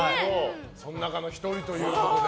その中の１人ということで。